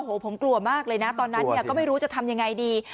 โอ้โหผมกลัวมากเลยนะตอนนั้นเนี่ยก็ไม่รู้จะทำยังไงดี